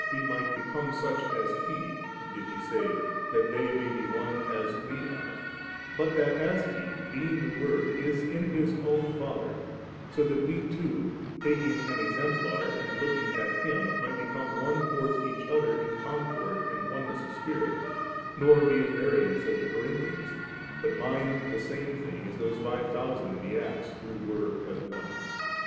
405 not that wc might become such as He, did He say *that they may be one as We are;' but that as He, being the Word, is in His own Father, so that we too, taking an examplar and looking at Him, might become one towards each other in concord and oneness of spirit, nor be at variance as the Corinthians, but mind the same thing, as those five thousand in the Acts ~, who were as one.